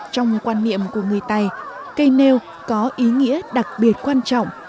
trong quan niệm của người tày cây nêu có ý nghĩa đặc biệt quan trọng